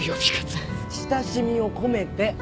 親しみを込めて！